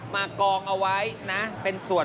กองเอาไว้นะเป็นส่วน